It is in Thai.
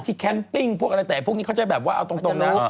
แคมปิ้งพวกอะไรแต่พวกนี้เขาจะแบบว่าเอาตรงนะ